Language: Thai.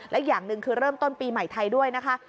และอย่างหนึ่งคือเริ่มต้นปีใหม่ไทยด้วยนะคะ